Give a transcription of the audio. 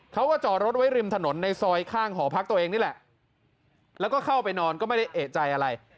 เขาก็จอดรถไว้ริมถนนในซอยข้างหอพักตัวเองนี่แหละแล้วก็เข้าไปนอนก็ไม่ได้เอกใจอะไร